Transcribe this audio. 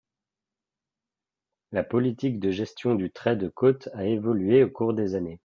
La politique de gestion du trait de côte a évolué au cours des années.